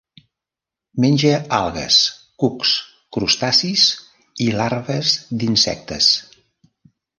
Menja algues, cucs, crustacis i larves d'insectes.